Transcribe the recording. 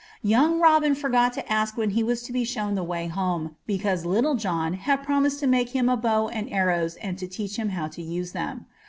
Young Robin forgot to ask when he was to be shown the way home, because Little John had promised to make him a bow and arrows and to teach him how to use them.